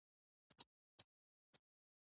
له همکارۍ پرته تمدن نهشي پاتې کېدی.